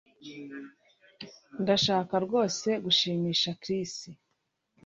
Ndashaka rwose gushimisha Chris